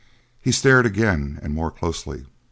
He stared again, and more closely.